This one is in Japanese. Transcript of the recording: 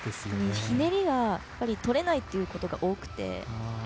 ひねりがとれないということが多くて。